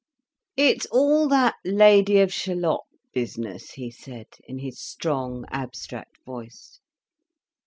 "It's all that Lady of Shalott business," he said, in his strong abstract voice.